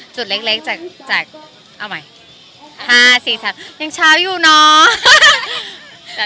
จุดเล็กจากเอาใหม่๕๔๓ยังเช้าอยู่เนาะ